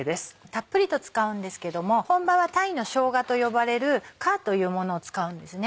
たっぷりと使うんですけども本場はタイのしょうがと呼ばれるカーというものを使うんですね。